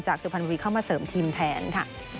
จากสุพันธุ์วิทย์เข้ามาเสริมทีมแทนค่ะ